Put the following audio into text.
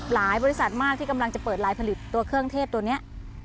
บริษัทมากที่กำลังจะเปิดลายผลิตตัวเครื่องเทศตัวนี้